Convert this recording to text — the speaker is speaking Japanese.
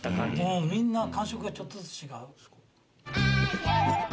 もうみんな感触がちょっとずつ違う。